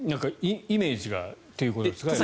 イメージがということですか？